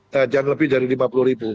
tajam lebih dari lima puluh ribu